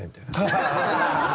ハハハハ！